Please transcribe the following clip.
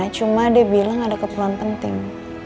cuma dia bilang ada keperluan penting